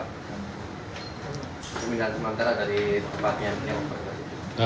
pemindahan sementara dari tempatnya